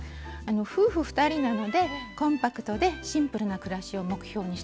夫婦２人なのでコンパクトでシンプルな暮らしを目標にしたんですね。